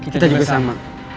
kita juga sama